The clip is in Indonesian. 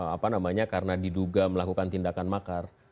apa namanya karena diduga melakukan tindakan makar